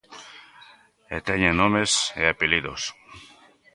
E teñen nomes e apelidos.